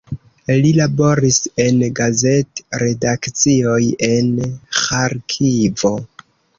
Li laboris en gazet-redakcioj en Ĥarkivo.